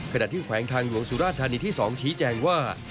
ขณะที่แขวงทางหลวงสุราธารณีที่๒ชี้แจงว่า